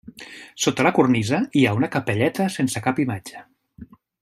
Sota la cornisa hi ha una capelleta sense cap imatge.